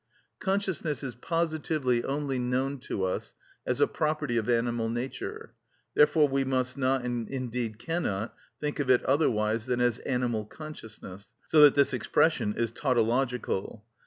Consciousness is positively only known to us as a property of animal nature; therefore we must not, and indeed cannot, think of it otherwise than as animal consciousness, so that this expression is tautological.